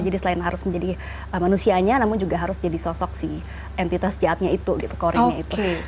selain harus menjadi manusianya namun juga harus jadi sosok sih entitas jahatnya itu gitu corinnya itu